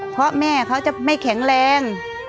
เพราะแม่เขาจะไม่แข็งแรง